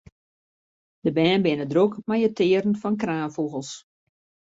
De bern binne drok mei it tearen fan kraanfûgels.